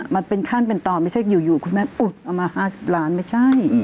มันเป็นขั้นเป็นตอนไม่ใช่อยู่คุณแม่อุดเอามา๕๐ล้านไม่ใช่